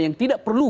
yang tidak perlu